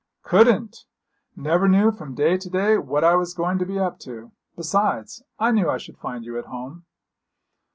'Couldn't. Never knew from day to day what I was going to be up to; besides, I knew I should find you at home.'